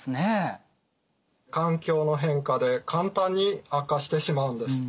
環境の変化で簡単に悪化してしまうんです。